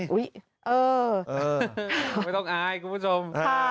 ไม่ต้องอายคุณผู้ชม